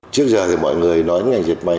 trước giờ thì mọi người nói với ngành dệt may